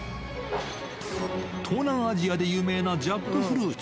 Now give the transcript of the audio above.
東南アジアで有名なジャックフルーツ。